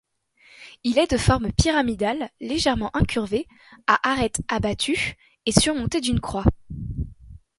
Il est de forme pyramidale légèrement incurvée, à arêtes abattues, et surmonté d'une croix.